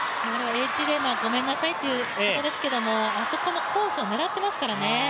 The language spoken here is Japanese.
エッジで、ごめんなさいということですが、あそこのコースを狙ってますからね。